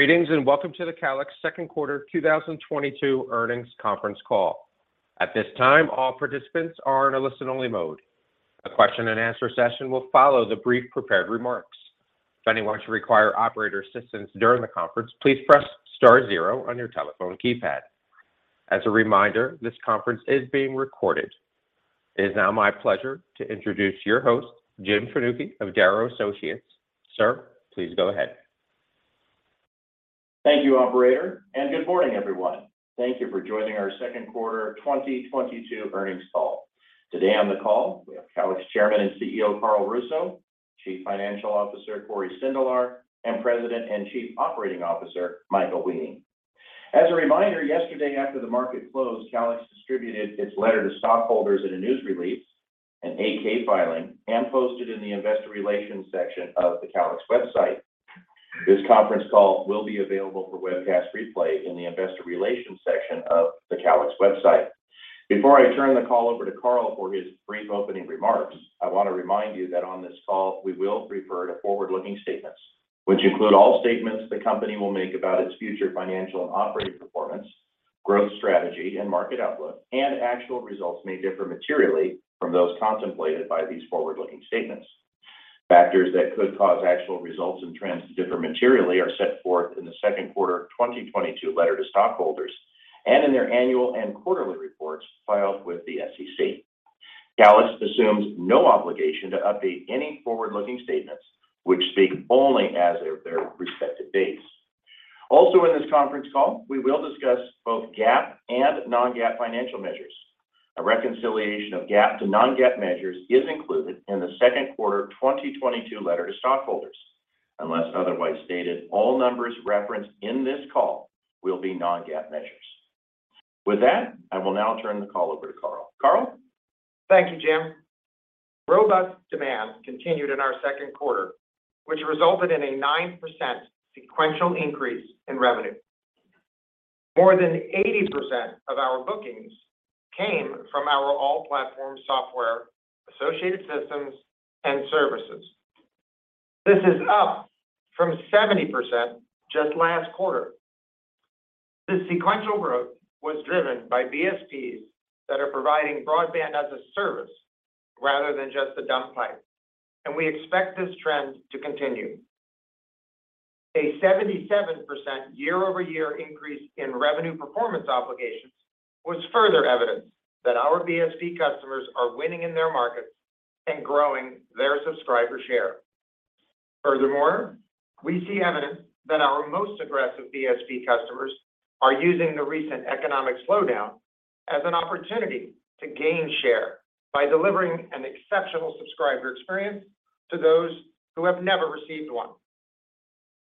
Greetings, and welcome to the Calix second quarter 2022 earnings conference call. At this time, all participants are in a listen-only mode. A question and answer session will follow the brief prepared remarks. If anyone should require operator assistance during the conference, please press star zero on your telephone keypad. As a reminder, this conference is being recorded. It is now my pleasure to introduce your host, Jim Fanucchi of Darrow Associates. Sir, please go ahead. Thank you, operator, and good morning, everyone. Thank you for joining our second quarter 2022 earnings call. Today on the call we have Calix Chairman and CEO, Carl Russo, Chief Financial Officer, Cory Sindelar, and President and Chief Operating Officer, Michael Weening. As a reminder, yesterday after the market closed, Calix distributed its letter to stockholders in a news release, an 8-K filing, and posted in the investor relations section of the Calix website. This conference call will be available for webcast replay in the investor relations section of the Calix website. Before I turn the call over to Carl for his brief opening remarks, I want to remind you that on this call we will refer to forward-looking statements, which include all statements the company will make about its future financial and operating performance, growth strategy and market outlook. Actual results may differ materially from those contemplated by these forward-looking statements. Factors that could cause actual results and trends to differ materially are set forth in the second quarter of 2022 letter to stockholders and in their annual and quarterly reports filed with the SEC. Calix assumes no obligation to update any forward-looking statements which speak only as of their respective dates. Also in this conference call, we will discuss both GAAP and non-GAAP financial measures. A reconciliation of GAAP to non-GAAP measures is included in the second quarter of 2022 letter to stockholders. Unless otherwise stated, all numbers referenced in this call will be non-GAAP measures. With that, I will now turn the call over to Carl. Carl. Thank you, Jim. Robust demand continued in our second quarter, which resulted in a 9% sequential increase in revenue. More than 80% of our bookings came from our all-platform software associated systems and services. This is up from 70% just last quarter. This sequential growth was driven by BSPs that are providing broadband as a service rather than just a dumb pipe, and we expect this trend to continue. A 77% year-over-year increase in revenue performance obligations was further evidence that our BSP customers are winning in their markets and growing their subscriber share. Furthermore, we see evidence that our most aggressive BSP customers are using the recent economic slowdown as an opportunity to gain share by delivering an exceptional subscriber experience to those who have never received one.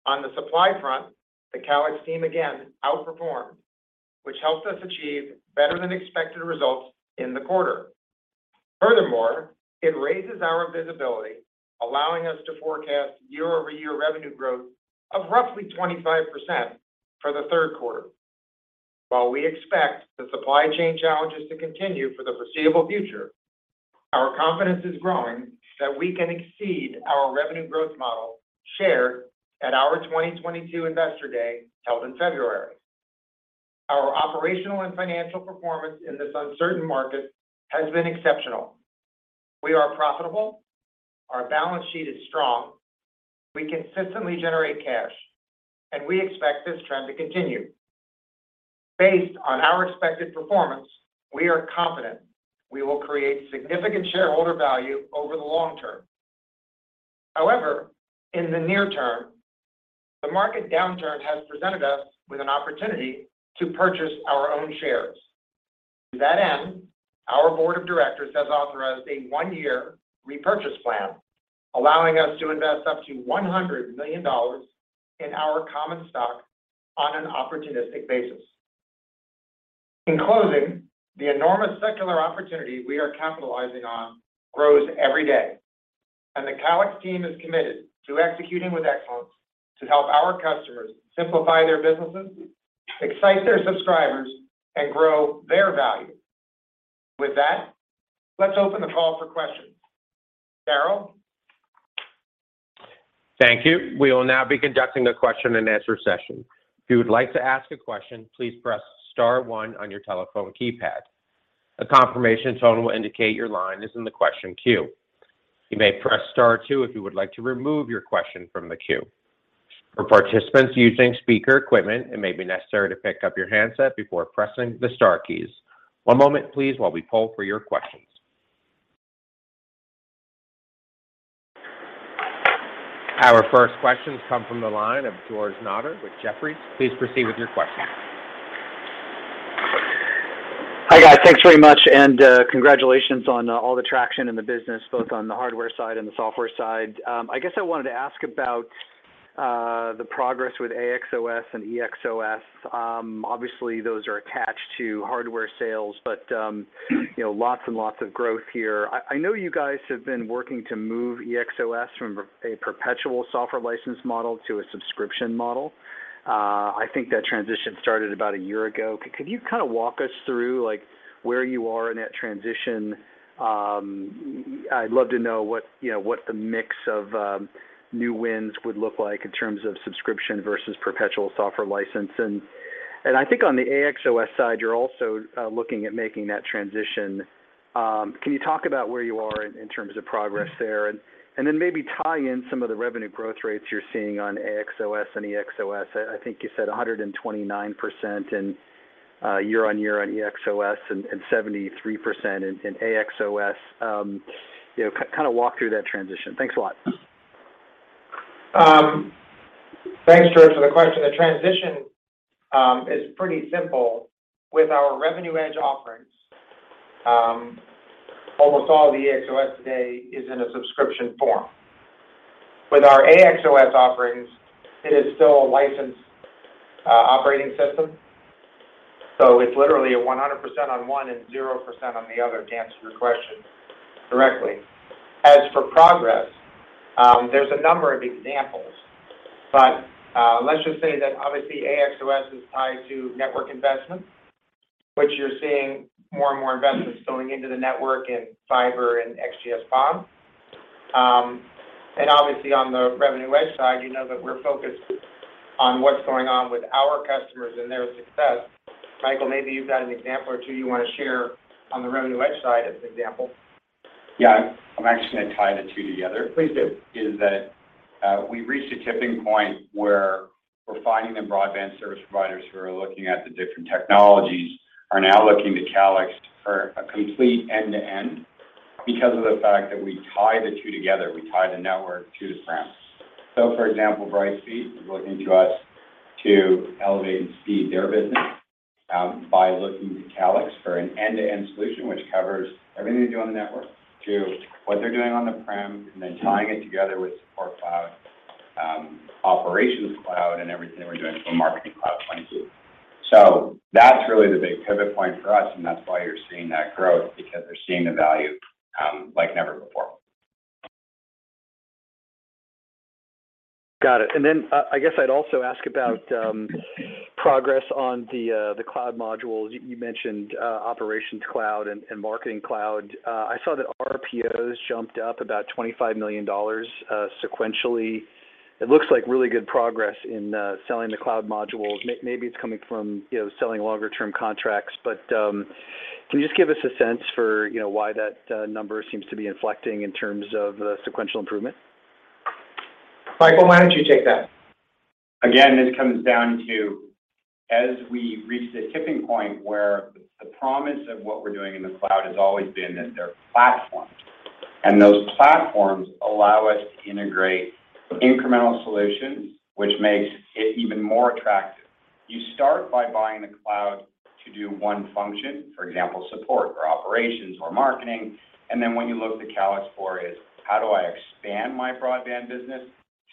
On the supply front, the Calix team again outperformed, which helped us achieve better than expected results in the quarter. Furthermore, it raises our visibility, allowing us to forecast year-over-year revenue growth of roughly 25% for the third quarter. While we expect the supply chain challenges to continue for the foreseeable future, our confidence is growing that we can exceed our revenue growth model shared at our 2022 Investor Day held in February. Our operational and financial performance in this uncertain market has been exceptional. We are profitable. Our balance sheet is strong. We consistently generate cash, and we expect this trend to continue. Based on our expected performance, we are confident we will create significant shareholder value over the long term. However, in the near term, the market downturn has presented us with an opportunity to purchase our own shares. To that end, our board of directors has authorized a one-year repurchase plan, allowing us to invest up to $100 million in our common stock on an opportunistic basis. In closing, the enormous secular opportunity we are capitalizing on grows every day, and the Calix team is committed to executing with excellence to help our customers simplify their businesses, excite their subscribers and grow their value. With that, let's open the call for questions. Daryl? Thank you. We will now be conducting a question and answer session. If you would like to ask a question, please press star one on your telephone keypad. A confirmation tone will indicate your line is in the question queue. You may press star two if you would like to remove your question from the queue. For participants using speaker equipment, it may be necessary to pick up your handset before pressing the star keys. One moment, please, while we poll for your questions. Our first question comes from the line of George Notter with Jefferies. Please proceed with your question. Hi, guys. Thanks very much, and, congratulations on all the traction in the business, both on the hardware side and the software side. I guess I wanted to ask about the progress with AXOS and EXOS. Obviously those are attached to hardware sales, but, you know, lots and lots of growth here. I know you guys have been working to move EXOS from a perpetual software license model to a subscription model. I think that transition started about a year ago. Could you kind of walk us through, like, where you are in that transition? I'd love to know what, you know, what the mix of new wins would look like in terms of subscription versus perpetual software license, and I think on the AXOS side, you're also looking at making that transition. Can you talk about where you are in terms of progress there? Then maybe tie in some of the revenue growth rates you're seeing on AXOS and EXOS. I think you said 129% year-over-year on EXOS and 73% on AXOS. You know, kind of walk through that transition. Thanks a lot. Thanks, George, for the question. The transition is pretty simple. With our Revenue EDGE offerings, almost all of the EXOS today is in a subscription form. With our AXOS offerings, it is still a licensed operating system, so it's literally 100% on one and 0% on the other, to answer your question directly. As for progress, there's a number of examples, but let's just say that obviously AXOS is tied to network investment, which you're seeing more and more investments going into the network in fiber and XGS-PON. Obviously on the Revenue EDGE side, you know that we're focused on what's going on with our customers and their success. Michael, maybe you've got an example or two you want to share on the Revenue EDGE side as an example. Yeah. I'm actually gonna tie the two together. Please do. Is that we've reached a tipping point where we're finding the broadband service providers who are looking at the different technologies are now looking to Calix for a complete end-to-end because of the fact that we tie the two together. We tie the network to the prem. For example, Brightspeed is looking to us to elevate and speed their business, by looking to Calix for an end-to-end solution, which covers everything they do on the network to what they're doing on the prem, and then tying it together with Support Cloud, Operations Cloud, and everything we're doing from Marketing Cloud point of view. That's really the big pivot point for us, and that's why you're seeing that growth because they're seeing the value, like never before. I guess I'd also ask about progress on the cloud modules. You mentioned Operations Cloud and Marketing Cloud. I saw that RPOs jumped up about $25 million sequentially. It looks like really good progress in selling the cloud modules. Maybe it's coming from, you know, selling longer term contracts, but can you just give us a sense for, you know, why that number seems to be inflecting in terms of sequential improvement? Michael, why don't you take that? Again, this comes down to as we reach the tipping point where the promise of what we're doing in the cloud has always been that they're platforms, and those platforms allow us to integrate incremental solutions, which makes it even more attractive. You start by buying the cloud to do one function, for example, support or operations or marketing. When you look to Calix for is, "How do I expand my broadband business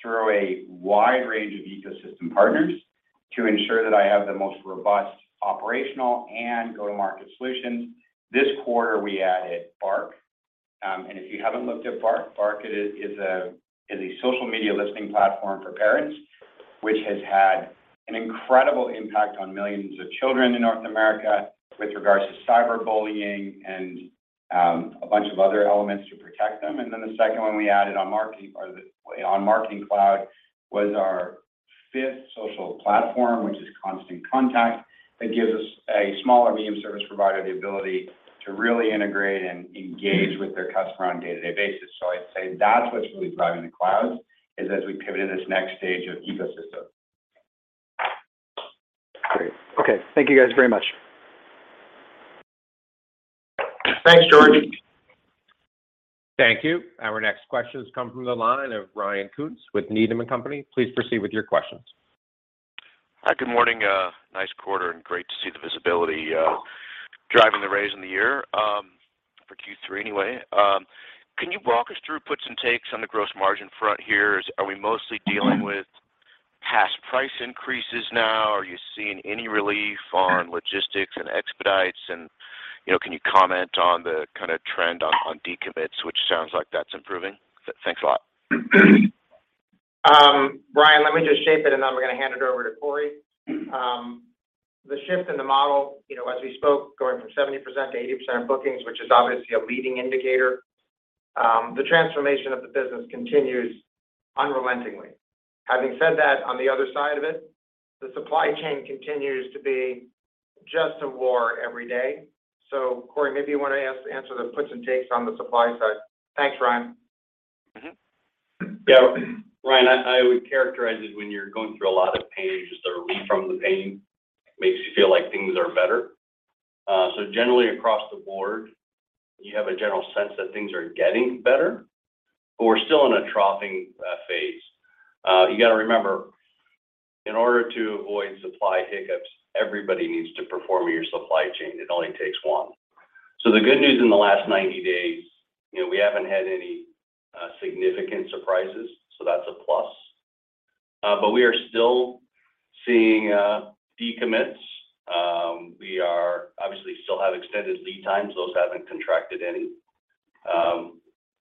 through a wide range of ecosystem partners to ensure that I have the most robust operational and go-to-market solutions?" This quarter we added Bark. If you haven't looked at Bark is a social media listening platform for parents, which has had an incredible impact on millions of children in North America with regards to cyberbullying and, a bunch of other elements to protect them. The second one we added on marketing cloud was our fifth social platform, which is Constant Contact. That gives a small or medium service provider the ability to really integrate and engage with their customer on a day-to-day basis. I'd say that's what's really driving the clouds, as we pivot in this next stage of ecosystem. Great. Okay. Thank you, guys, very much. Thanks, George. Thank you. Our next question has come from the line of Ryan Koontz with Needham & Company. Please proceed with your questions. Hi. Good morning. Nice quarter. Great to see the visibility driving the raise in the year for Q3 anyway. Can you walk us through puts and takes on the gross margin front here? Are we mostly dealing with past price increases now? Are you seeing any relief on logistics and expedites? Can you comment on the kind of trend on decommits, which sounds like that's improving? Thanks a lot. Ryan, let me just shape it, and then we're gonna hand it over to Cory. The shift in the model, you know, as we spoke, going from 70%-80% of bookings, which is obviously a leading indicator, the transformation of the business continues unrelentingly. Having said that, on the other side of it, the supply chain continues to be just a war every day. So Cory, maybe you want to answer the puts and takes on the supply side. Thanks, Ryan. Yeah. Ryan, I would characterize it when you're going through a lot of pain, just a relief from the pain makes you feel like things are better. So generally across the board, you have a general sense that things are getting better, but we're still in a troughing phase. You got to remember, in order to avoid supply hiccups, everybody needs to perform in your supply chain. It only takes one. So the good news in the last 90 days, you know, we haven't had any significant surprises, so that's a plus. But we are still seeing decommits. We are obviously still have extended lead times. Those haven't contracted any.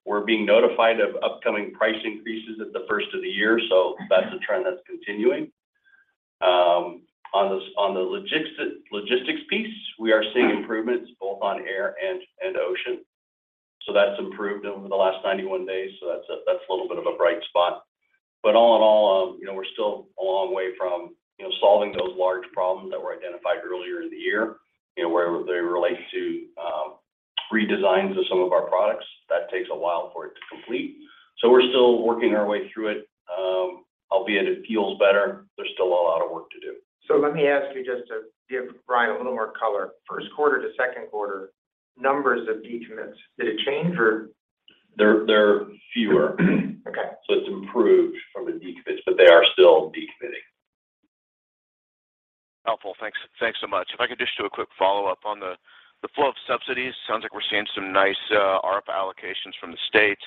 We're being notified of upcoming price increases at the first of the year, so that's a trend that's continuing. On the logistics piece, we are seeing improvements both on air and ocean. That's improved over the last 91 days, that's a little bit of a bright spot. All in all, you know, we're still a long way from, you know, solving those large problems that were identified earlier in the year, you know, where they relate to, redesigns of some of our products. That takes a while for it to complete. We're still working our way through it. Albeit it feels better, there's still a lot of work to do. let me ask you just to give Brian a little more color. First quarter to second quarter, numbers of decommits, did it change or? They're fewer. Okay. It's improved from the decommits, but they are still decommitting. Helpful. Thanks, thanks so much. If I could just do a quick follow-up on the flow of subsidies. Sounds like we're seeing some nice ARPA allocations from the states.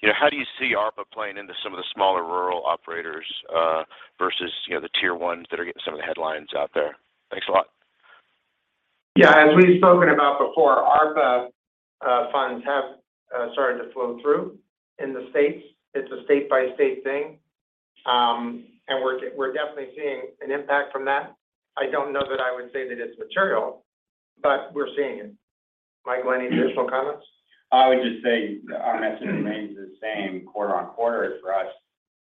You know, how do you see ARPA playing into some of the smaller rural operators versus, you know, the tier ones that are getting some of the headlines out there? Thanks a lot. Yeah, as we've spoken about before, ARPA funds have started to flow through in the states. It's a state-by-state thing. We're definitely seeing an impact from that. I don't know that I would say that it's material, but we're seeing it. Michael, any additional comments? I would just say our message remains the same quarter-on-quarter for us.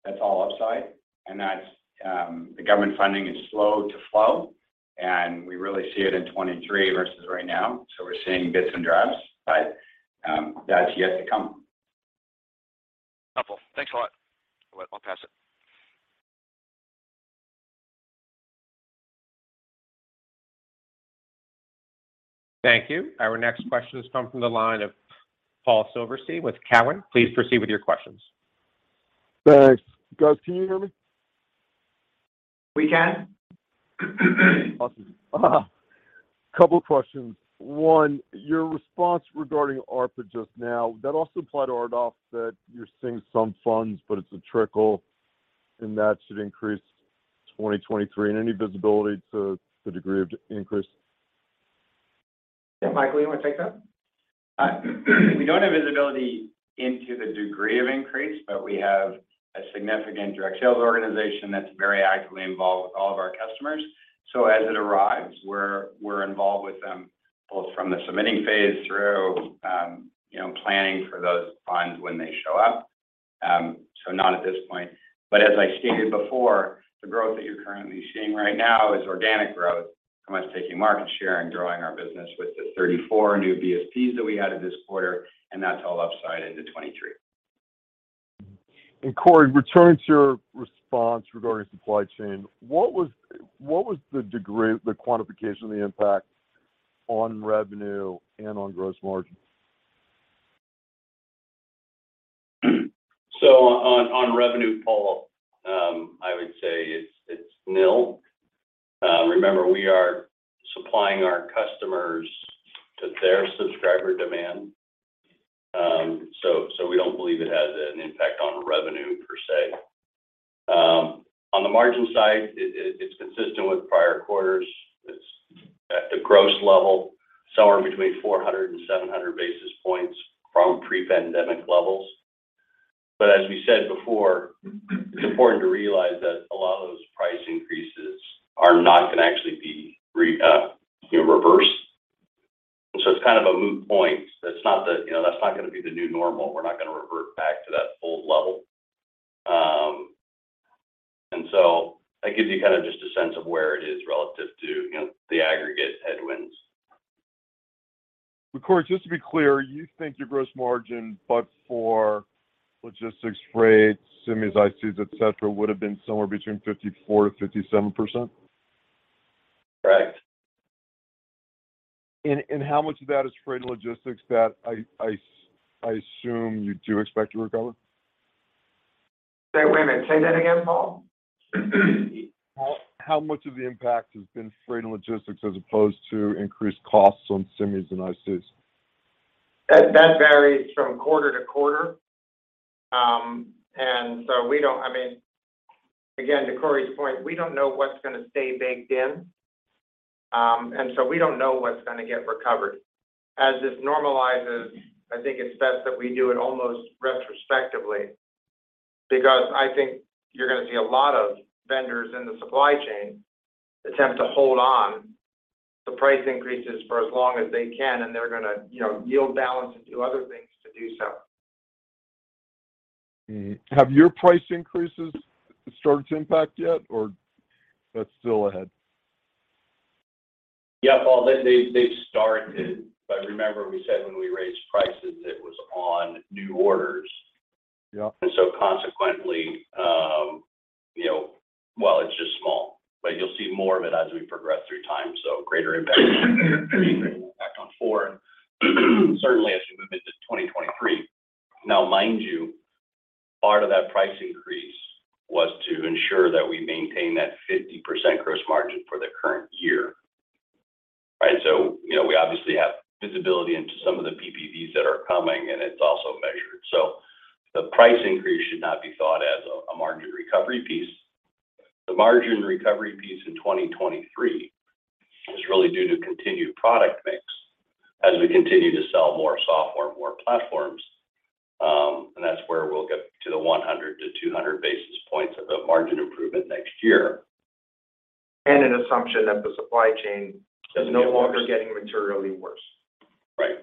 That's all upside, and that's. The government funding is slow to flow, and we really see it in 2023 versus right now. We're seeing bits and drabs, but that's yet to come. Helpful. Thanks a lot. I'll pass it. Thank you. Our next question has come from the line of Paul Silverstein with Cowen. Please proceed with your questions. Thanks. Guys, can you hear me? We can. Awesome. Couple questions. One, your response regarding ARPA just now, that also applied to RDOF, that you're seeing some funds, but it's a trickle, and that should increase 2023, and any visibility to the degree of increase? Yeah, Michael, you want to take that? We don't have visibility into the degree of increase, but we have a significant direct sales organization that's very actively involved with all of our customers. As it arrives, we're involved with them both from the submitting phase through you know, planning for those funds when they show up. Not at this point. As I stated before, the growth that you're currently seeing right now is organic growth, us taking market share and growing our business with the 34 new VSPs that we had this quarter, and that's all upside into 2023. Cory, returning to your response regarding supply chain, what was the degree, the quantification of the impact on revenue and on gross margin? On revenue, Paul, I would say it's nil. Remember we are supplying our customers to their subscriber demand. We don't believe it has an impact on revenue per se. On the margin side, it's consistent with prior quarters. It's at the gross level, somewhere between 400-700 basis points from pre-pandemic levels. As we said before, it's important to realize that a lot of those price increases are not gonna actually be reversed. It's kind of a moot point. That's not gonna be the new normal. We're not gonna revert back to that old level. That gives you kind of just a sense of where it is relative to, you know, the aggregate headwinds. Cory, just to be clear, you think your gross margin, but for logistics, freight, SIMs, ICs, et cetera, would have been somewhere between 54%-57%? Correct. How much of that is freight and logistics that I assume you do expect to recover? Wait, wait a minute. Say that again, Paul. How much of the impact has been freight and logistics as opposed to increased costs on SIMs and ICs? That varies from quarter-to-quarter. We don't, I mean, again, to Corey's point, we don't know what's gonna stay baked in. We don't know what's gonna get recovered. As this normalizes, I think it's best that we do it almost retrospectively. Because I think you're gonna see a lot of vendors in the supply chain attempt to hold on to price increases for as long as they can, and they're gonna, you know, yield balance and do other things to do so. Have your price increases started to impact yet, or that's still ahead? Yeah, Paul, they've started, but remember we said when we raised prices, it was on new orders. Yeah. Consequently, you know, while it's just small, but you'll see more of it as we progress through time, greater impact on foreign. Certainly, as you move into 2023. Now mind you, part of that price increase was to ensure that we maintain that 50% gross margin for the current year. Right? You know, we obviously have visibility into some of the PPVs that are coming, and it's also measured. The price increase should not be thought as a margin recovery piece. The margin recovery piece in 2023 is really due to continued product mix as we continue to sell more software, more platforms. The 100-200 basis points of a margin improvement next year. an assumption that the supply chain is no longer getting materially worse. Right.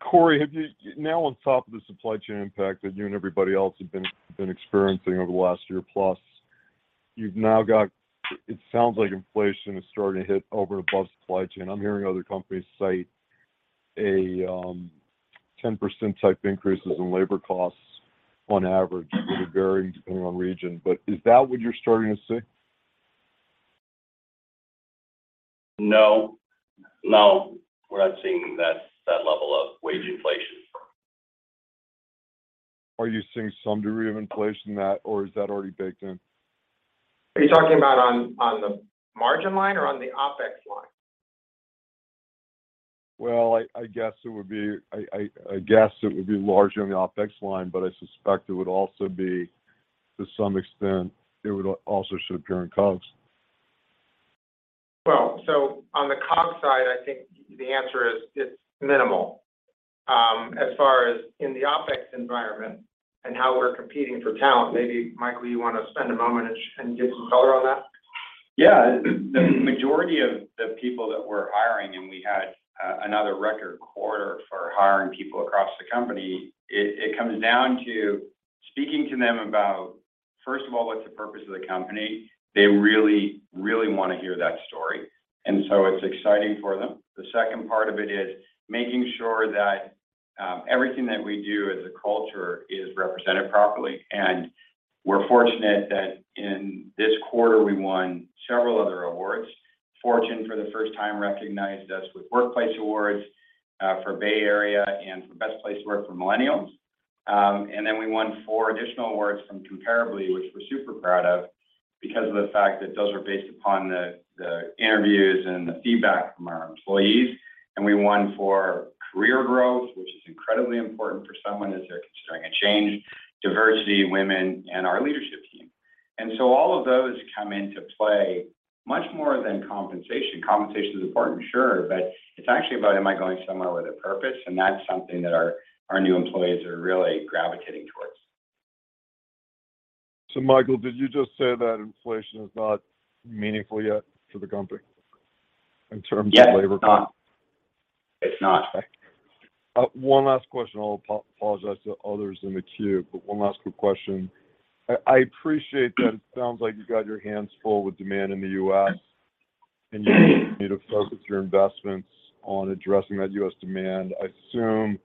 Cory, have you now on top of the supply chain impact that you and everybody else have been experiencing over the last year plus, you've now got it sounds like inflation is starting to hit over and above supply chain. I'm hearing other companies cite a 10% type increases in labor costs on average with it varying depending on region. Is that what you're starting to see? No, we're not seeing that level of wage inflation. Are you seeing some degree of inflation that, or is that already baked in? Are you talking about on the margin line or on the OpEx line? Well, I guess it would be largely on the OpEx line, but I suspect it would also be, to some extent, should appear in COGS. Well, on the COGS side, I think the answer is it's minimal. As far as in the OpEx environment and how we're competing for talent, maybe Michael, you wanna spend a moment and give some color on that? Yeah. The majority of the people that we're hiring, and we had another record quarter for hiring people across the company, it comes down to speaking to them about, first of all, what's the purpose of the company. They really, really wanna hear that story, and so it's exciting for them. The second part of it is making sure that everything that we do as a culture is represented properly. We're fortunate that in this quarter, we won several other awards. Fortune, for the first time, recognized us with Workplace Awards for Bay Area and for Best Place to Work for Millennials. Then we won four additional awards from Comparably, which we're super proud of because of the fact that those are based upon the interviews and the feedback from our employees. We won for career growth, which is incredibly important for someone as they're considering a change, diversity, women, and our leadership team. All of those come into play much more than compensation. Compensation is important, sure, but it's actually about, am I going somewhere with a purpose? That's something that our new employees are really gravitating towards. Michael, did you just say that inflation is not meaningful yet to the company in terms of labor costs? Yes, it's not. One last question. I'll apologize to others in the queue, but one last quick question. I appreciate that it sounds like you've got your hands full with demand in the U.S., and you need to focus your investments on addressing that U.S. demand. I assume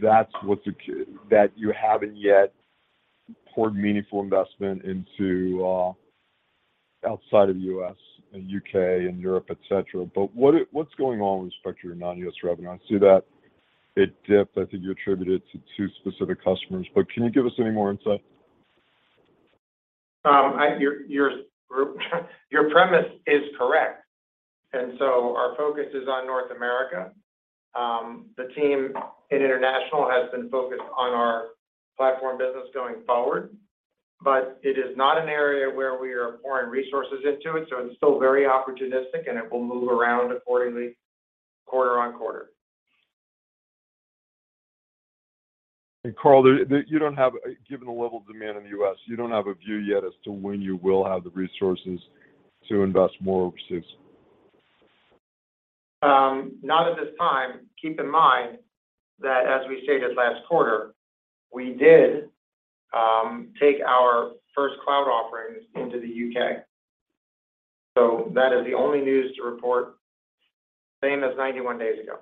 that's that you haven't yet poured meaningful investment into outside of the U.S., and U.K., and Europe, et cetera. What's going on with respect to your non-US revenue? I see that it dipped. I think you attributed it to two specific customers, but can you give us any more insight? Your premise is correct. Our focus is on North America. The team in international has been focused on our platform business going forward. It is not an area where we are pouring resources into it, so it's still very opportunistic, and it will move around accordingly quarter-on-quarter. Carl, given the level of demand in the U.S., you don't have a view yet as to when you will have the resources to invest more overseas? Not at this time. Keep in mind that as we stated last quarter, we did take our first cloud offerings into the U.K. That is the only news to report, same as 91 days ago.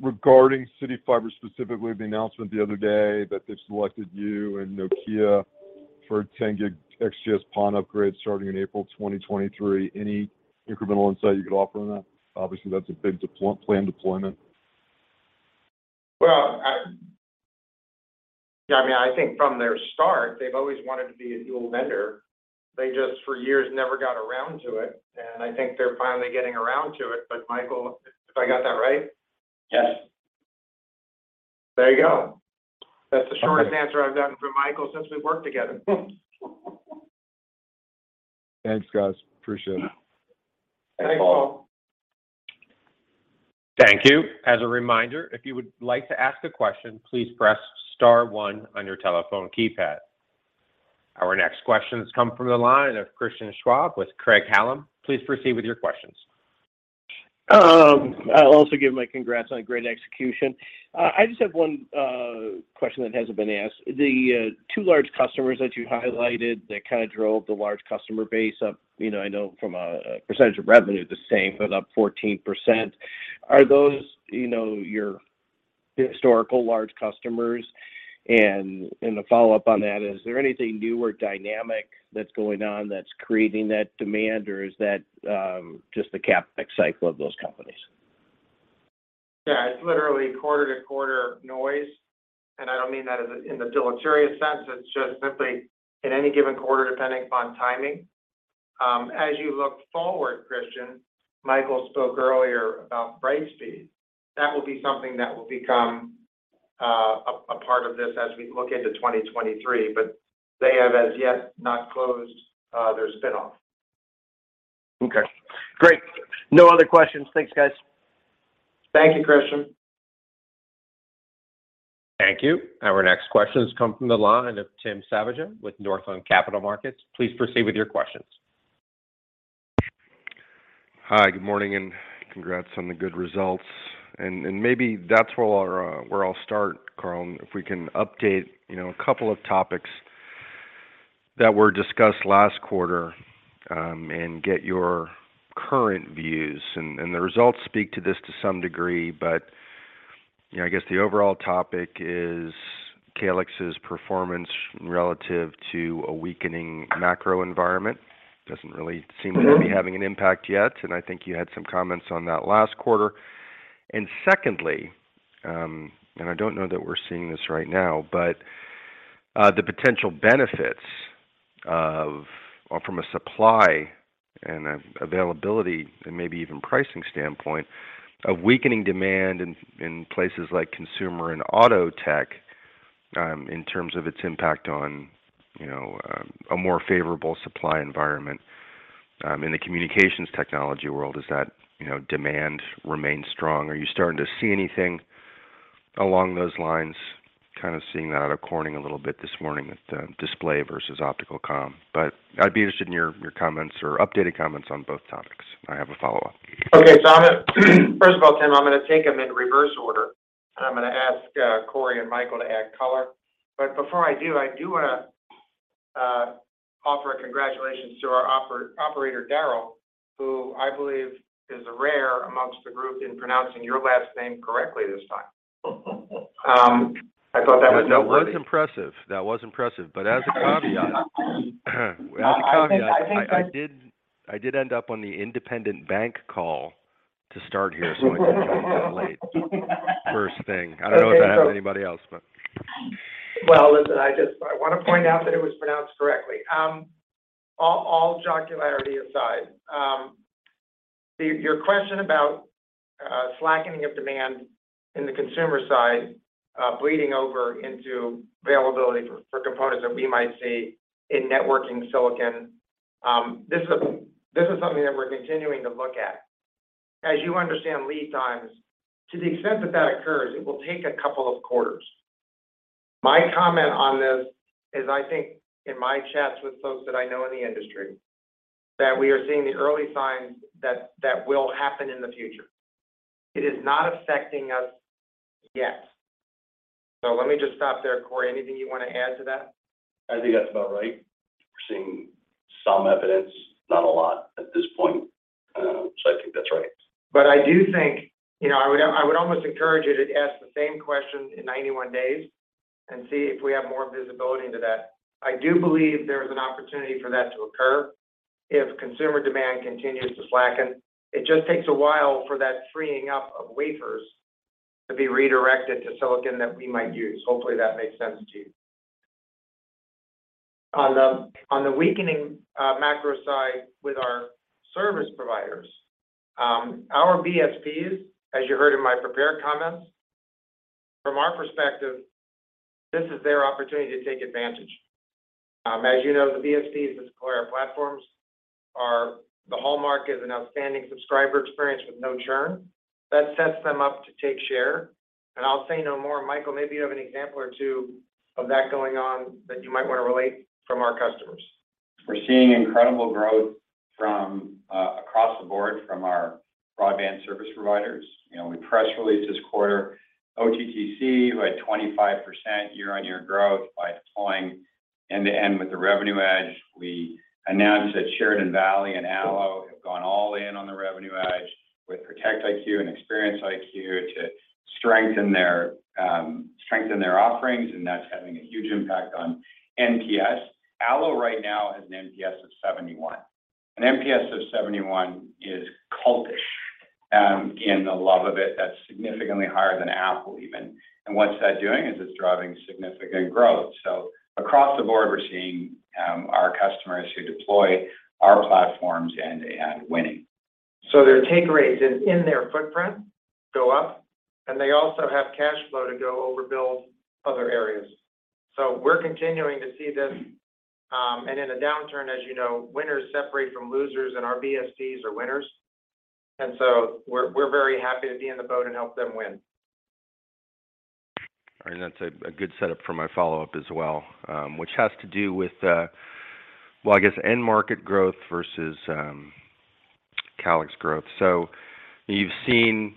Regarding CityFibre specifically, the announcement the other day that they've selected you and Nokia for a 10 gig XGS-PON upgrade starting in April 2023, any incremental insight you could offer on that? Obviously, that's a big planned deployment. Well, I mean, I think from their start, they've always wanted to be a dual vendor. They just for years never got around to it, and I think they're finally getting around to it. But Michael, if I got that right? Yes. There you go. That's the shortest answer I've gotten from Michael since we've worked together. Thanks, guys. Appreciate it. Thanks, Paul. Thank you. As a reminder, if you would like to ask a question, please press star one on your telephone keypad. Our next question comes from the line of Christian Schwab with Craig-Hallum. Please proceed with your questions. I'll also give my congrats on great execution. I just have one question that hasn't been asked. The two large customers that you highlighted that kinda drove the large customer base up, you know, I know from a percentage of revenue the same, but up 14%, are those, you know, your historical large customers? The follow-up on that, is there anything new or dynamic that's going on that's creating that demand, or is that just the CapEx cycle of those companies? Yeah. It's literally quarter-to-quarter noise. I don't mean that as in the deleterious sense. It's just simply in any given quarter, depending upon timing. As you look forward, Christian, Michael spoke earlier about Brightspeed. That will be something that will become a part of this as we look into 2023, but they have as yet not closed their spinoff. Okay, great. No other questions. Thanks, guys. Thank you, Christian. Thank you. Our next question has come from the line of Timothy Savageaux with Northland Capital Markets. Please proceed with your questions. Hi, good morning, and congrats on the good results. Maybe that's where I'll start, Carl, if we can update, you know, a couple of topics that were discussed last quarter, and get your current views. The results speak to this to some degree, but, you know, I guess the overall topic is Calix's performance relative to a weakening macro environment. Doesn't really seem to be having an impact yet, and I think you had some comments on that last quarter. Secondly, I don't know that we're seeing this right now, but the potential benefits of, or from a supply and availability and maybe even pricing standpoint, a weakening demand in places like consumer and auto tech, in terms of its impact on, you know, a more favorable supply environment in the communications technology world, is that, you know, demand remains strong. Are you starting to see anything along those lines? Kind of seeing that according a little bit this morning with the display versus optical comm. But I'd be interested in your comments or updated comments on both topics. I have a follow-up. Okay. First of all, Tim, I'm gonna take them in reverse order, and I'm gonna ask Cory and Michael to add color. Before I do, I do wanna offer a congratulations to our operator, Daryl, who I believe is rare amongst the group in pronouncing your last name correctly this time. I thought that was noteworthy. That was impressive. As a caveat. I think. I did end up on the investment bank call to start here, so I joined in late first thing. I don't know if that happened to anybody else. Well, listen, I just wanna point out that it was pronounced correctly. All jocularity aside, your question about slackening of demand in the consumer side bleeding over into availability for components that we might see in networking silicon, this is something that we're continuing to look at. As you understand lead times, to the extent that occurs, it will take a couple of quarters. My comment on this is I think in my chats with folks that I know in the industry, that we are seeing the early signs that will happen in the future. It is not affecting us yet. Let me just stop there. Cory, anything you want to add to that? I think that's about right. We're seeing some evidence, not a lot at this point. I think that's right. I do think, you know, I would almost encourage you to ask the same question in 91 days and see if we have more visibility into that. I do believe there is an opportunity for that to occur if consumer demand continues to slacken. It just takes a while for that freeing up of wafers to be redirected to silicon that we might use. Hopefully, that makes sense to you. On the weakening macro side with our service providers, our BSPs, as you heard in my prepared comments, from our perspective, this is their opportunity to take advantage. As you know, the BSPs that support our platforms are the hallmark as an outstanding subscriber experience with no churn. That sets them up to take share. I'll say no more. Michael, maybe you have an example or two of that going on that you might want to relate from our customers. We're seeing incredible growth from across the board from our broadband service providers. You know, we press released this quarter OTTC who had 25% year-on-year growth by deploying end-to-end with the Revenue EDGE. We announced that Shenandoah Valley and ALLO have gone all in on the Revenue EDGE with ProtectIQ and ExperienceIQ to strengthen their offerings, and that's having a huge impact on NPS. ALLO right now has an NPS of 71. An NPS of 71 is cultish in the love of it. That's significantly higher than Apple even. What's that doing is it's driving significant growth. Across the board, we're seeing our customers who deploy our platforms end to end winning. Their take rates in their footprint go up, and they also have cash flow to go overbuild other areas. We're continuing to see this, and in a downturn, as you know, winners separate from losers, and our BSPs are winners. We're very happy to be in the boat and help them win. All right. That's a good setup for my follow-up as well, which has to do with, well, I guess end market growth versus Calix growth. You've seen,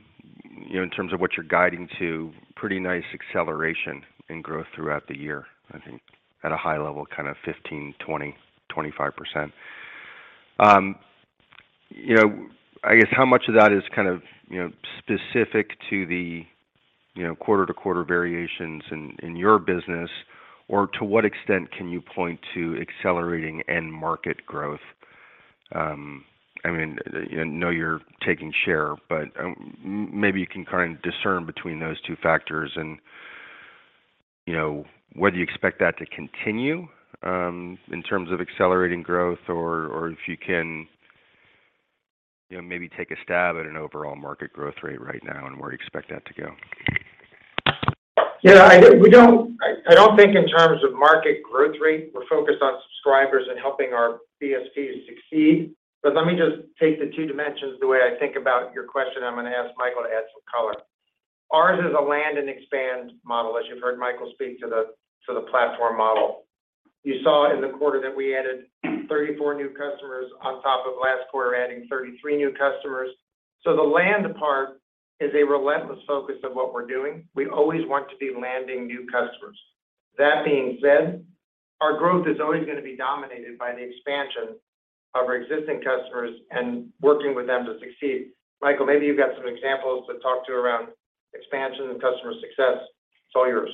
you know, in terms of what you're guiding to, pretty nice acceleration in growth throughout the year, I think at a high level, kind of 15, 20, 25%. You know, I guess how much of that is kind of, you know, specific to the, you know, quarter-to-quarter variations in your business? Or to what extent can you point to accelerating end market growth? I mean, I know you're taking share, but maybe you can kind of discern between those two factors and, you know, whether you expect that to continue in terms of accelerating growth or if you can, you know, maybe take a stab at an overall market growth rate right now and where you expect that to go. Yeah, I don't think in terms of market growth rate. We're focused on subscribers and helping our BSPs succeed. Let me just take the two dimensions the way I think about your question, and I'm gonna ask Michael to add some color. Ours is a land and expand model, as you've heard Michael speak to the platform model. You saw in the quarter that we added 34 new customers on top of last quarter, adding 33 new customers. The land part is a relentless focus of what we're doing. We always want to be landing new customers. That being said, our growth is always gonna be dominated by the expansion of our existing customers and working with them to succeed. Michael, maybe you've got some examples to talk to around expansion and customer success. It's all yours.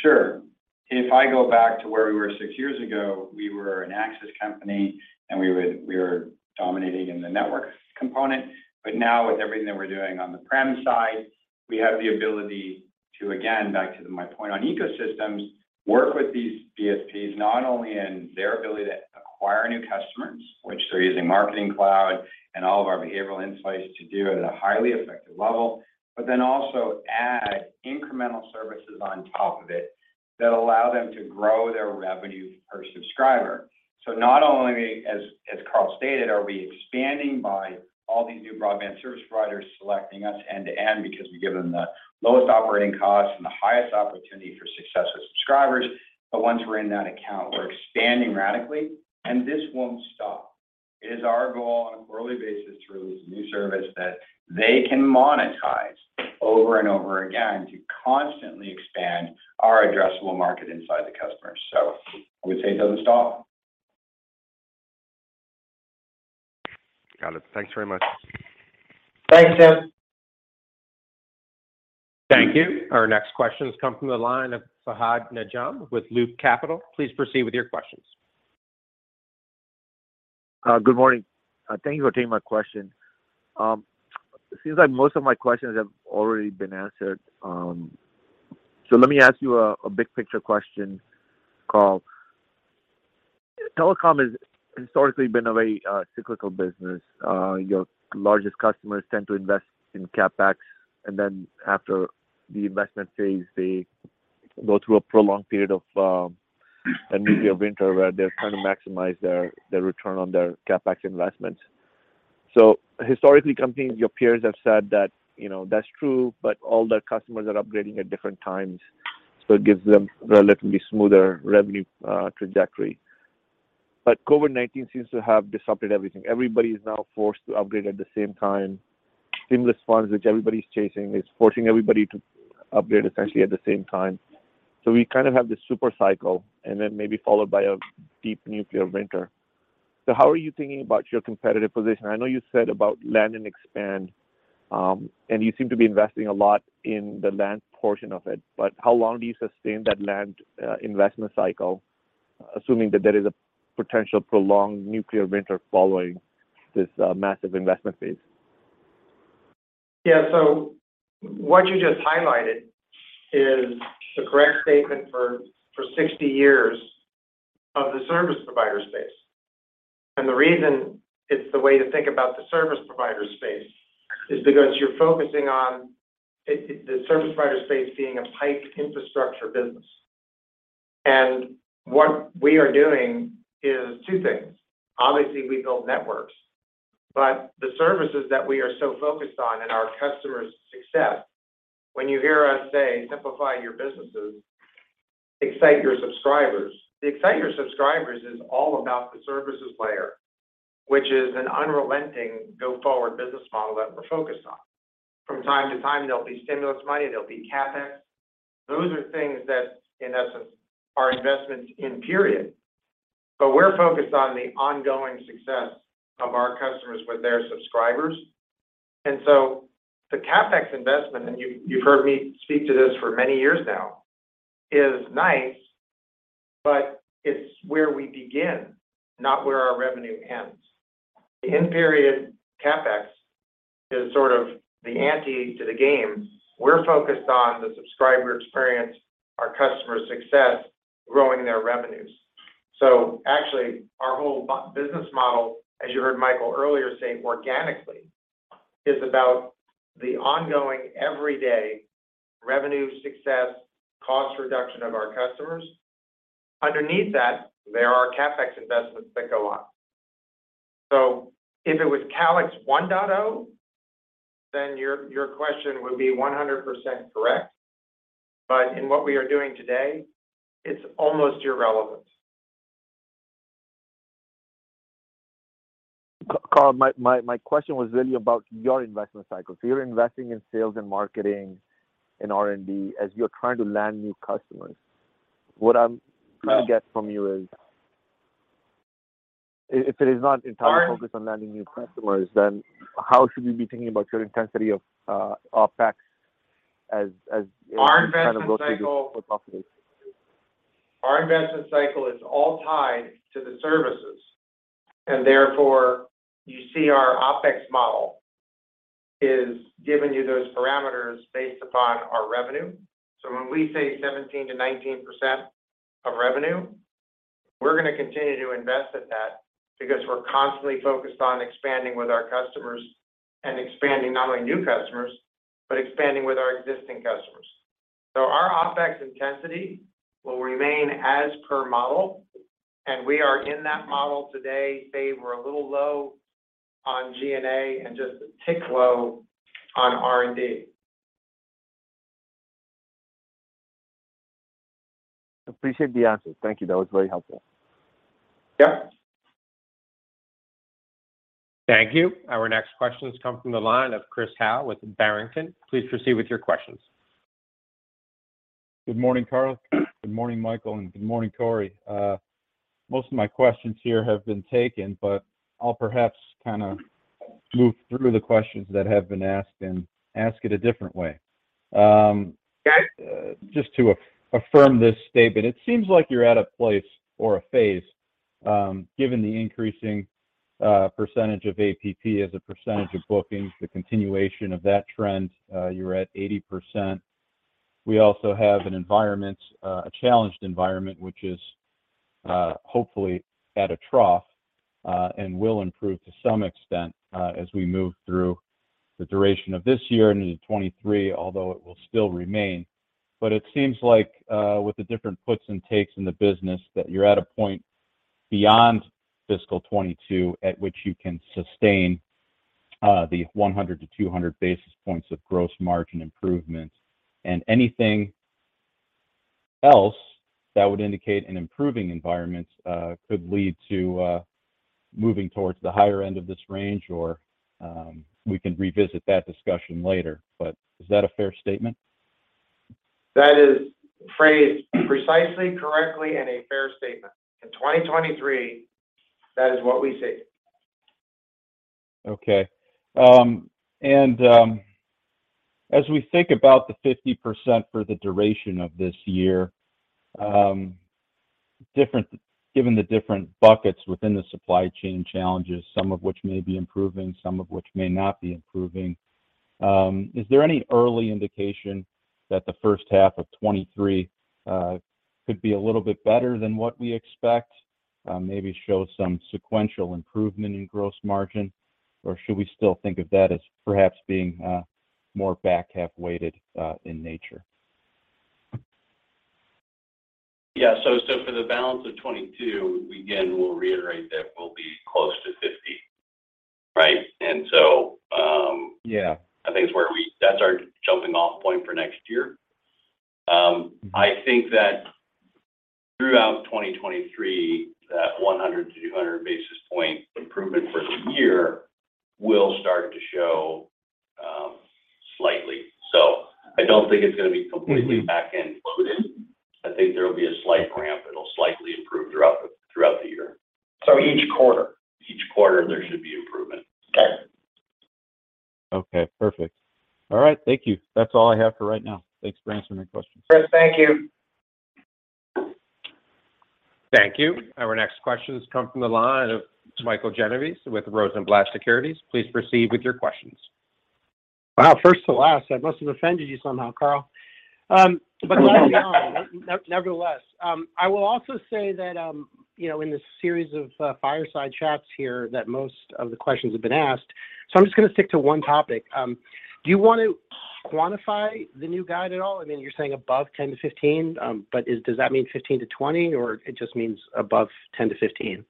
Sure. If I go back to where we were six years ago, we were an access company, and we were dominating in the network component. Now with everything that we're doing on the prem side, we have the ability to, again, back to my point on ecosystems, work with these BSPs not only in their ability to acquire new customers, which they're using Marketing Cloud and all of our behavioral insights to do at a highly effective level, but then also add incremental services on top of it that allow them to grow their revenue per subscriber. Not only as Carl stated, are we expanding by all these new broadband service providers selecting us end-to-end because we give them the lowest operating costs and the highest opportunity for success with subscribers, but once we're in that account, we're expanding radically, and this won't stop. It is our goal on a quarterly basis to release a new service that they can monetize over and over again to constantly expand our addressable market inside the customer. I would say it doesn't stop. Got it. Thanks very much. Thanks, Tim. Thank you. Our next question has come from the line of Fahad Najam with Loop Capital. Please proceed with your questions. Good morning. Thank you for taking my question. It seems like most of my questions have already been answered, so let me ask you a big picture question, Carl. Telecom has historically been a very cyclical business. Your largest customers tend to invest in CapEx, and then after the investment phase, they go through a prolonged period of a nuclear winter where they're trying to maximize their return on their CapEx investments. Historically, companies, your peers have said that, you know, that's true, but all their customers are upgrading at different times, so it gives them relatively smoother revenue trajectory. COVID-19 seems to have disrupted everything. Everybody is now forced to upgrade at the same time. Stimulus funds, which everybody's chasing, is forcing everybody to upgrade essentially at the same time. We kind of have this super cycle and then maybe followed by a deep nuclear winter. How are you thinking about your competitive position? I know you said about land and expand, and you seem to be investing a lot in the land portion of it. How long do you sustain that land, investment cycle, assuming that there is a potential prolonged nuclear winter following this, massive investment phase? Yeah. What you just highlighted is the correct statement for 60 years of the service provider space. The reason it's the way to think about the service provider space is because you're focusing on the service provider space being a pipe infrastructure business. What we are doing is two things. Obviously, we build networks, but the services that we are so focused on and our customers' success, when you hear us say, "Simplify your businesses, excite your subscribers," the excite your subscribers is all about the services layer, which is an unrelenting go-forward business model that we're focused on. From time to time, there'll be stimulus money, there'll be CapEx. Those are things that, in essence, are investments in period. We're focused on the ongoing success of our customers with their subscribers. The CapEx investment, and you've heard me speak to this for many years now, is nice, but it's where we begin, not where our revenue ends. The end period CapEx is sort of the ante to the game. We're focused on the subscriber experience, our customers' success, growing their revenues. Actually, our whole business model, as you heard Michael earlier say organically, is about the ongoing everyday revenue success, cost reduction of our customers. Underneath that, there are CapEx investments that go on. If it was Calix 1.0, then your question would be 100% correct. But in what we are doing today, it's almost irrelevant. Carl, my question was really about your investment cycle. You're investing in sales and marketing and R&D as you're trying to land new customers. What I'm trying to get from you is if it is not entirely focused on landing new customers, then how should we be thinking about your intensity of OpEx as Our investment cycle is all tied to the services. Therefore, you see our OpEx model is giving you those parameters based upon our revenue. When we say 17%-19% of revenue, we're gonna continue to invest in that because we're constantly focused on expanding with our customers and expanding not only new customers, but expanding with our existing customers. Our OpEx intensity will remain as per model, and we are in that model today. Say we're a little low on G&A and just a tick low on R&D. Appreciate the answer. Thank you. That was very helpful. Yeah. Thank you. Our next questions come from the line of Chris Howe with Barrington. Please proceed with your questions. Good morning, Carl. Good morning, Michael, and good morning, Cory. Most of my questions here have been taken, but I'll perhaps kinda move through the questions that have been asked and ask it a different way. Okay. Just to affirm this statement, it seems like you're at a place or a phase, given the increasing percentage of all-platform as a percentage of bookings, the continuation of that trend, you're at 80%. We also have an environment, a challenged environment, which is hopefully at a trough and will improve to some extent as we move through the duration of this year and into 2023, although it will still remain. It seems like with the different puts and takes in the business that you're at a point beyond fiscal 2022 at which you can sustain the 100-200 basis points of gross margin improvement. Anything else that would indicate an improving environment could lead to moving towards the higher end of this range or we can revisit that discussion later. Is that a fair statement? That is phrased precisely, correctly, and a fair statement. In 2023, that is what we see. Okay. As we think about the 50% for the duration of this year, given the different buckets within the supply chain challenges, some of which may be improving, some of which may not be improving, is there any early indication that the first half of 2023 could be a little bit better than what we expect, maybe show some sequential improvement in gross margin? Or should we still think of that as perhaps being more back half weighted in nature? Yeah. For the balance of 2022, we again will reiterate that we'll be close to $50, right? Yeah I think that's our jumping off point for next year. I think that throughout 2023, that 100-200 basis points improvement for the year will start to show, slightly. I don't think it's gonna be completely Mm-hmm Back-end loaded. I think there will be a slight ramp. It'll slightly improve throughout the year. Each quarter. Each quarter, there should be improvement. Okay. Okay, perfect. All right. Thank you. That's all I have for right now. Thanks for answering my questions. Chris, thank you. Thank you. Our next questions come from the line of Mike Genovese with Rosenblatt Securities. Please proceed with your questions. Wow, first to last. I must have offended you somehow, Carl. Nonetheless, I will also say that, you know, in this series of fireside chats here that most of the questions have been asked, so I'm just gonna stick to one topic. Do you want to quantify the new guide at all? I mean, you're saying above 10-15, but does that mean 15-20, or it just means above 10-15?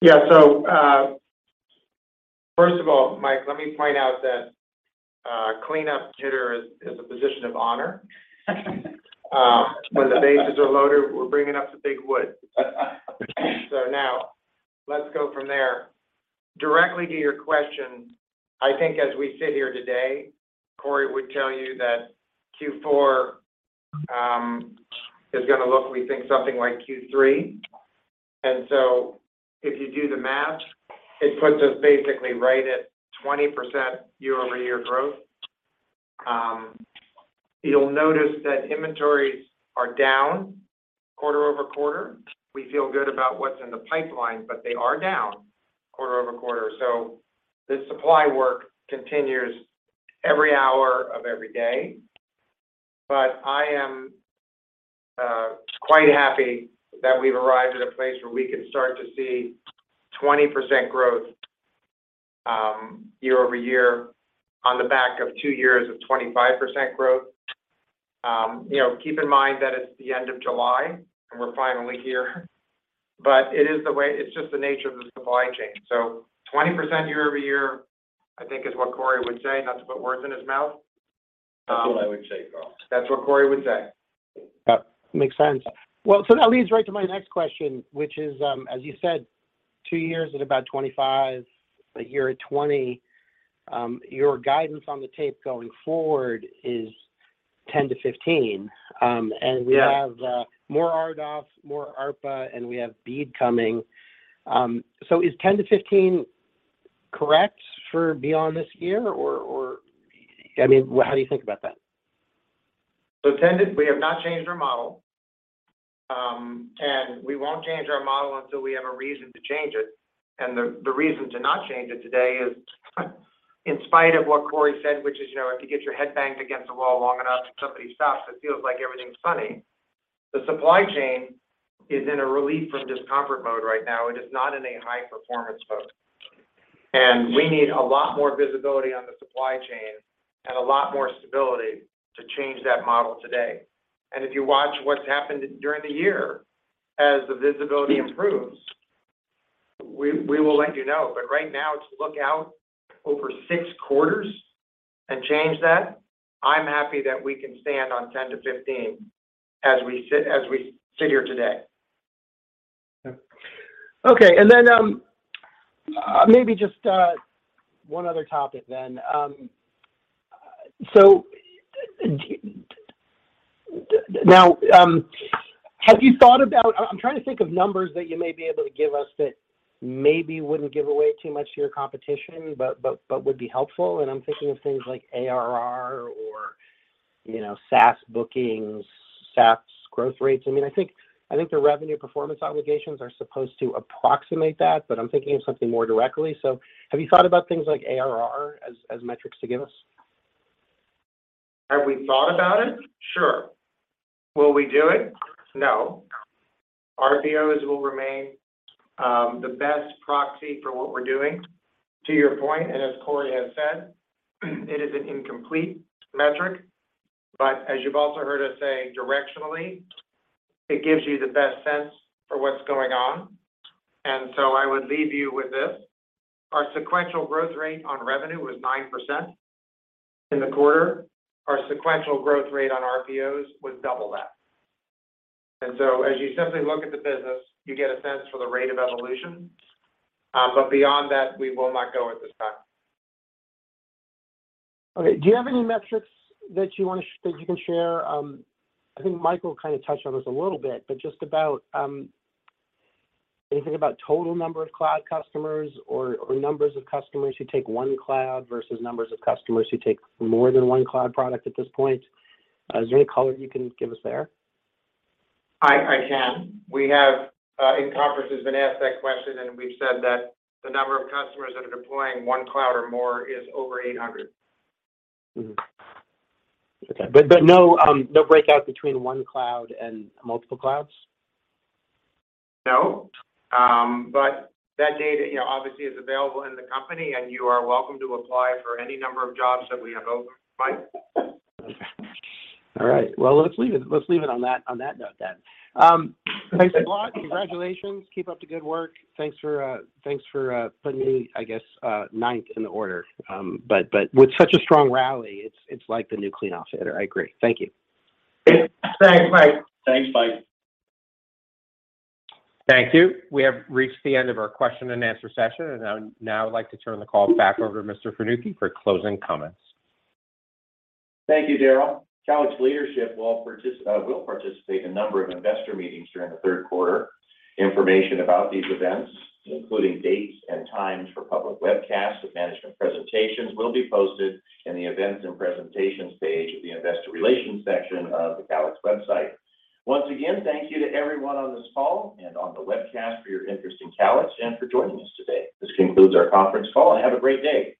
Yeah. First of all, Mike, let me point out that cleanup hitter is a position of honor. When the bases are loaded, we're bringing up the big wood. Now let's go from there. Directly to your question, I think as we sit here today, Cory would tell you that Q4 is gonna look, we think, something like Q3. If you do the math, it puts us basically right at 20% year-over-year growth. You'll notice that inventories are down quarter-over-quarter. We feel good about what's in the pipeline, but they are down quarter-over-quarter. The supply work continues every hour of every day. I am quite happy that we've arrived at a place where we can start to see 20% growth year-over-year on the back of two years of 25% growth. You know, keep in mind that it's the end of July, and we're finally here. It's just the nature of the supply chain. 20% year-over-year, I think is what Cory would say, not to put words in his mouth. That's what I would say, Carl. That's what Cory would say. Yep. Makes sense. Well, that leads right to my next question, which is, as you said, two years at about 25%, a year at 20%, your guidance on the top line going forward is 10%-15%. We have- Yeah... more RDOF, more ARPA, and we have BEAD coming. Is 10-15 correct for beyond this year or, I mean, how do you think about that? We have not changed our model, and we won't change our model until we have a reason to change it. The reason to not change it today is. In spite of what Cory said, which is, you know, if you get your head banged against the wall long enough, somebody stops. It feels like everything's funny. The supply chain is in a relief from discomfort mode right now, and it's not in a high-performance mode. We need a lot more visibility on the supply chain and a lot more stability to change that model today. If you watch what's happened during the year as the visibility improves, we will let you know. Right now, to look out over six quarters and change that, I'm happy that we can stand on 10-15 as we sit here today. Okay. Maybe just one other topic then. Now, have you thought about. I'm trying to think of numbers that you may be able to give us that maybe wouldn't give away too much to your competition, but would be helpful. I'm thinking of things like ARR or, you know, SaaS bookings, SaaS growth rates. I mean, I think the revenue performance obligations are supposed to approximate that, but I'm thinking of something more directly. Have you thought about things like ARR as metrics to give us? Have we thought about it? Sure. Will we do it? No. RPOs will remain the best proxy for what we're doing. To your point, and as Cory has said, it is an incomplete metric, but as you've also heard us say directionally, it gives you the best sense for what's going on. I would leave you with this. Our sequential growth rate on revenue was 9% in the quarter. Our sequential growth rate on RPOs was double that. As you simply look at the business, you get a sense for the rate of evolution. Beyond that, we will not go at this time. Okay. Do you have any metrics that you can share? I think Michael kind of touched on this a little bit, but just about anything about total number of cloud customers or numbers of customers who take one cloud versus numbers of customers who take more than one cloud product at this point? Is there any color you can give us there? I can. We have in conferences been asked that question, and we've said that the number of customers that are deploying one cloud or more is over 800. Okay. No breakout between one cloud and multiple clouds? No. That data, you know, obviously is available in the company, and you are welcome to apply for any number of jobs that we have open. Mike? All right. Well, let's leave it on that note then. Thanks a lot. Congratulations. Keep up the good work. Thanks for putting me, I guess, ninth in the order. With such a strong rally, it's like the new cleanup hitter. I agree. Thank you. Thanks, Mike. Thanks, Mike. Thank you. We have reached the end of our question and answer session, and I would now like to turn the call back over to Mr. Fanucchi for closing comments. Thank you, Daryl. Calix leadership will participate in a number of investor meetings during the third quarter. Information about these events, including dates and times for public webcasts of management presentations, will be posted in the Events and Presentations page of the Investor Relations section of the Calix website. Once again, thank you to everyone on this call and on the webcast for your interest in Calix and for joining us today. This concludes our conference call, and have a great day.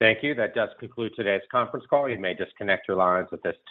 Thank you. That does conclude today's conference call. You may disconnect your lines at this time.